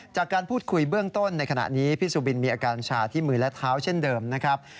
จากการพูดคุยเบื้องต้นในขณะนี้พี่สุบินมีอาการชาที่มือและเท้าเช่นเดิมนะครับ